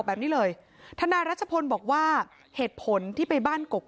แบบนี้เลยทนายรัชพลบอกว่าเหตุผลที่ไปบ้านกก